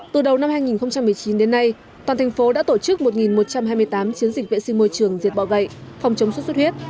từ đầu năm hai nghìn một mươi chín đến nay toàn thành phố đã tổ chức một một trăm hai mươi tám chiến dịch vệ sinh môi trường diệt bọ gậy phòng chống xuất xuất huyết